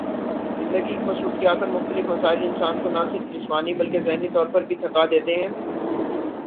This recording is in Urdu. زندگی کی مصروفیات اور مختلف مسائل انسان کو نہ صرف جسمانی بلکہ ذہنی طور پر بھی تھکا دیتے ہیں